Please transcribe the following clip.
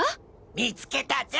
見つけたぜ！